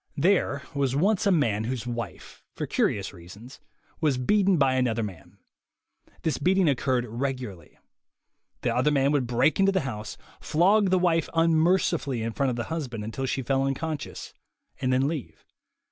There was once a man whose wife, for curious reasons, was beaten by another man. This beating oc curred regularly. The other man would break into the house, flog the wife unmercifully in front of the husband until she fell unconscious, and then leave.